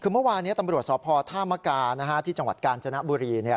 คือเมื่อวานี้ตำรวจสอบพท่ามกานะฮะที่จังหวัดกาญจนบุรีเนี่ย